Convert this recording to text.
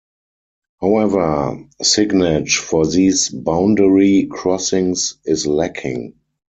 However, signage for these boundary crossings is lacking.